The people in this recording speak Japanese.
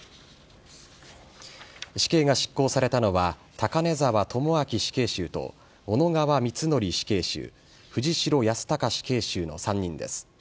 死刑が執行されたのは、高根沢智明死刑囚と小野川光紀死刑囚、藤城康孝死刑囚の３人です。